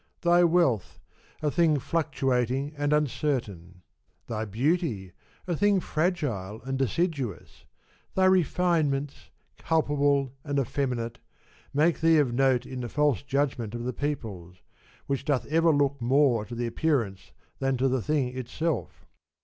Thy wealth, a thing fluctuating and uncertain ; thy beauty, a thing fragile and deciduous ; thy refinements, culpable and effem inate, make thee of note in the false judgment of the peoples, which doth ever look more to the appearance 43 than to the thing itself.